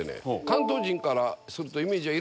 関東人からするとイメージは。